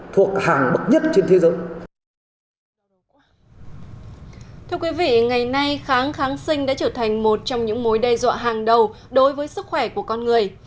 thưa quý vị ngày nay kháng kháng sinh đã trở thành một trong những mối đe dọa hàng đầu đối với sức khỏe của con người